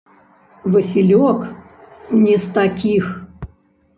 Васілёк не з такіх.